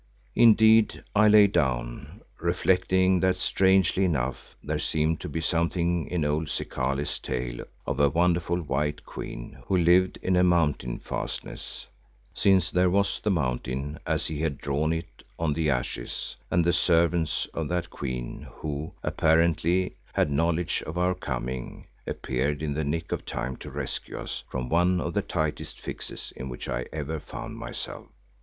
Indeed, I lay down, reflecting that strangely enough there seemed to be something in old Zikali's tale of a wonderful white Queen who lived in a mountain fastness, since there was the mountain as he had drawn it on the ashes, and the servants of that Queen who, apparently, had knowledge of our coming, appeared in the nick of time to rescue us from one of the tightest fixes in which ever I found myself.